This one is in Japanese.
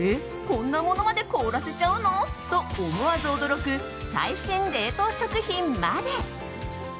こんなものまで凍らせちゃうの？と思わず驚く最新冷凍食品まで。